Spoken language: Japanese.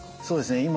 そうですね。